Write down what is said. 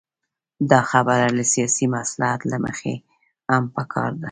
دا خبره له سیاسي مصلحت له مخې هم پکار ده.